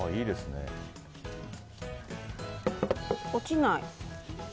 落ちない。